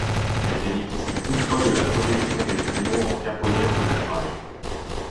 Elle bénéficie toutefois de la protection des créneaux en caponnière de l'ouvrage.